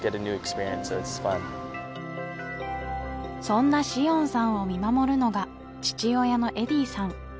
そんなシオンさんを見守るのが父親のエディさん